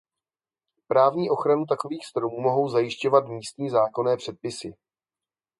Právní ochranu takových stromů mohou zajišťovat místní zákonné předpisy.